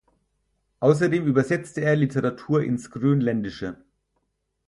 Außerdem übersetzte er Literatur ins Grönländische.